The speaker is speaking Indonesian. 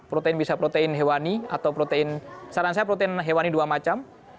protein bisa protein hewani atau protein saran saya protein hewani dua macam